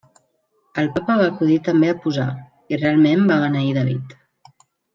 El Papa va acudir també a posar, i realment va beneir David.